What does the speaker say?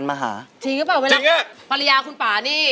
จริงอะ